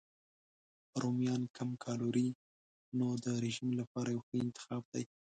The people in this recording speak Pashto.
رومیان کم کالوري نو د رژیم لپاره یو ښه انتخاب دی.